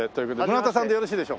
村田さんでよろしいでしょうか？